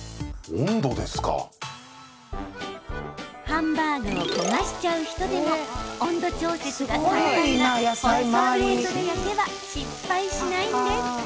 ハンバーグを焦がしちゃう人でも温度調節が簡単なホットプレートで焼けば失敗しないんです。